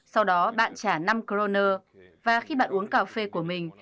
sau đó bạn trả năm kroner và khi bạn uống cà phê của mình